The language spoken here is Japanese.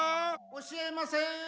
教えません。